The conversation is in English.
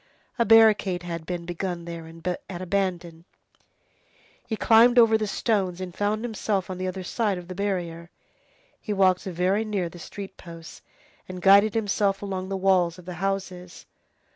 A barricade had been begun there and abandoned. He climbed over the stones and found himself on the other side of the barrier. He walked very near the street posts, and guided himself along the walls of the houses.